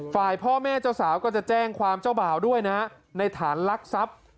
ฝ่ายพ่อแม่เจ้าสาวก็จะแจ้งความเจ้าบ่าวด้วยนะในฐานลักทรัพย์